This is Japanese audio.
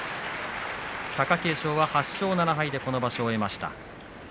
貴景勝は８勝７敗でこの場所を終えました。